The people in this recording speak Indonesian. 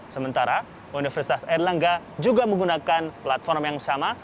sementara universitas erlangga juga menggunakan platform yang sama